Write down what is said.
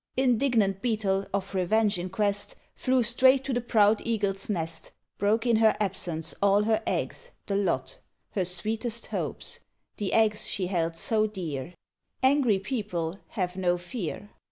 Indignant Beetle, of revenge in quest, Flew straight to the proud Eagle's nest; Broke in her absence all her eggs the lot Her sweetest hopes the eggs she held so dear. Angry people have no fear.